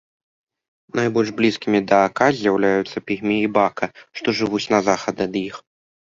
Найбольш блізкімі да ака з'яўляюцца пігмеі бака, што жывуць на захад ад іх.